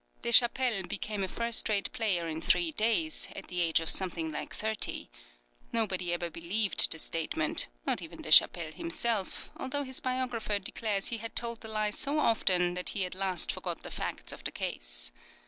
Deschapelles became a first rate player in three days, at the age of something like thirty. Nobody ever believed the statement, not even Deschapelles himself, although his biographer declares he had told the lie so often that he at last forgot the facts of the case.